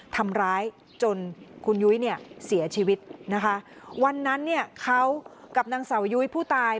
ทำร้ายจนคุณยุ้ยเนี่ยเสียชีวิตนะคะวันนั้นเนี่ยเขากับนางเสายุ้ยผู้ตาย